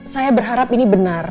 saya berharap ini benar